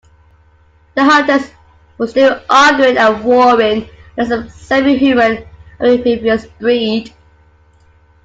The hunters were still arguing and roaring like some semi-human amphibious breed.